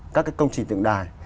các công trình tượng đài